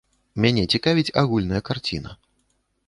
Мяне цікавіць агульная карціна.